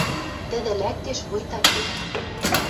Тӹдӹ лӓктеш, вуйта кек: